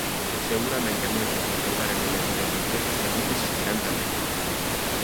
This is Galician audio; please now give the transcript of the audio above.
Seguramente moitos dos lugares de memoria concretos que cita existirán tamén.